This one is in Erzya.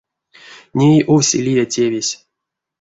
Ней овсе лия тевесь.